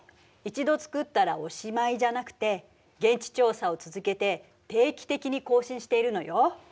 一度作ったらおしまいじゃなくて現地調査を続けて定期的に更新しているのよ。